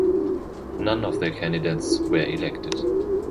None of their candidates were elected.